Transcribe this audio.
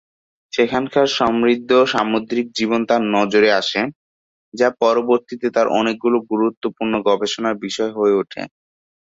সেখানকার সমৃদ্ধ সামুদ্রিক জীবন তাঁর নজরে আসে, যা পরবর্তীতে তাঁর অনেকগুলো গুরুত্বপূর্ণ গবেষণার বিষয় হয়ে উঠে।